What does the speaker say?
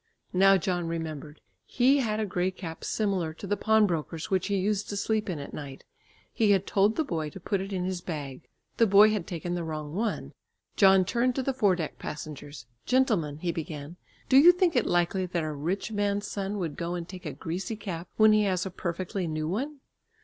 Now John remembered. He had a grey cap similar to the pawnbroker's which he used to sleep in at night. He had told the boy to put it in his bag; the boy had taken the wrong one. John turned to the foredeck passengers: "Gentlemen," he began, "do you think it likely that a rich man's son would go and take a greasy cap when he has a perfectly new one?